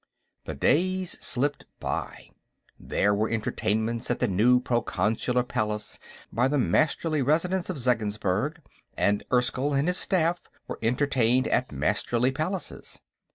The days slipped by. There were entertainments at the new Proconsular Palace for the Masterly residents of Zeggensburg, and Erskyll and his staff were entertained at Masterly palaces.